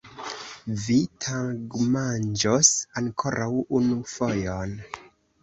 Vi tagmanĝos ankoraŭ unu fojon!